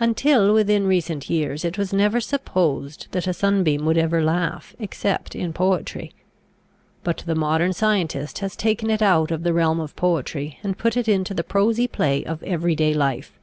Until within recent years it was never supposed that a sunbeam would ever laugh except in poetry. But the modern scientist has taken it out of the realm of poetry and put it into the prosy play of every day life.